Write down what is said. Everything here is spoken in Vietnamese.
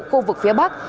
khu vực phía bắc